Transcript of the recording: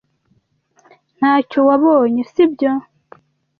Ntacyo wabonye, sibyo?